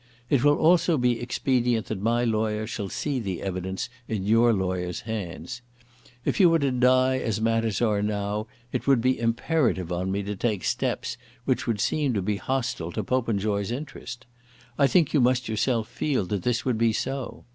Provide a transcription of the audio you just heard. It will also be expedient that my lawyer shall see the evidence in your lawyer's hands. If you were to die as matters are now it would be imperative on me to take steps which would seem to be hostile to Popenjoy's interest. I think you must yourself feel that this would be so.